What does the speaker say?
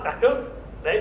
và ưu tiên là gì